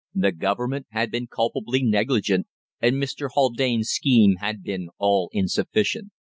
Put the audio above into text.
The Government had been culpably negligent, and Mr. Haldane's scheme had been all insufficient.